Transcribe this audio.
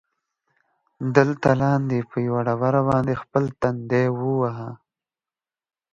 دلته لاندې، په یوه ډبره باندې خپل تندی ووهه.